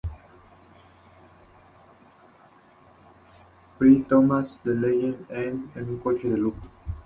Parry-Thomas en el Leyland Eight, un coche de lujo.